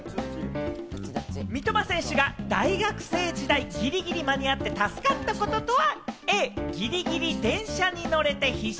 三笘選手が大学生時代、ギリギリ間に合って助かったこととは？